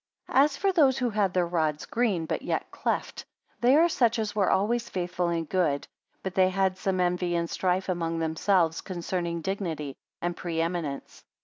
60 As for those who had their rods green, but yet cleft; they are such as were always faithful and good, but they had some envy and strife among themselves concerning dignity and pre eminence.